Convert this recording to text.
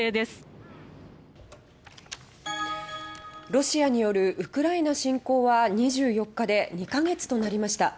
ロシアによるウクライナ侵攻は２４日で２か月となりました。